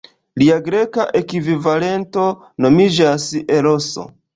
Lia greka ekvivalento nomiĝas Eroso.